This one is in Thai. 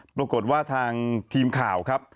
ปรากฏว่าทางทีมข่าวครับ